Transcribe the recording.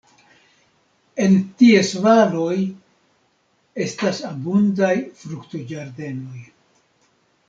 En ties valoj estas abundaj fruktoĝardenoj.